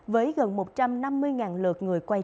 với gần một trăm năm mươi lượt người quay